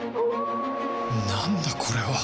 なんだこれは